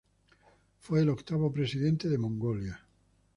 Fue el octavo presidente de Mongolia.